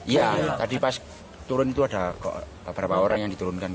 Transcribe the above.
iya tadi pas turun itu ada beberapa orang yang diturunkan